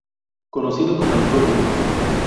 Conocido como el Rubio.